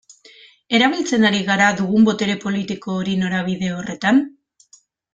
Erabiltzen ari gara dugun botere politiko hori norabide horretan?